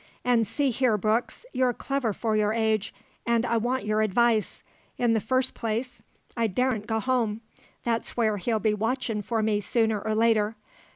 And, see here, Brooks: you're clever for your age, an' I want your advice. In the first place, I daren't go home; that's where he'll be watchin' for me sooner or later.